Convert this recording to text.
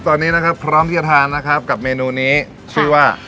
ตอนนี้นะครับพร้อมที่จะทานนะครับกับเมนูนี้ชื่อว่า